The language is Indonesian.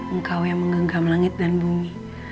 engkau yang menggenggam langit dan bumi